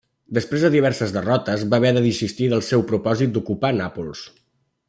Després de diverses derrotes va haver de desistir del seu propòsit d'ocupar Nàpols.